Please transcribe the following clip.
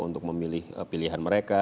untuk memilih pilihan mereka